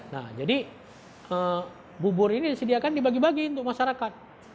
nah jadi bubur ini disediakan dibagi bagi untuk masyarakat